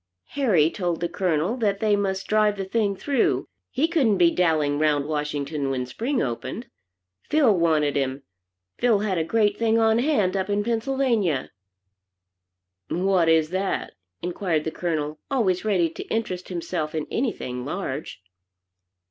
Harry told the Colonel that they must drive the thing through, he couldn't be dallying round Washington when Spring opened. Phil wanted him, Phil had a great thing on hand up in Pennsylvania. "What is that?" inquired the Colonel, always ready to interest himself in anything large.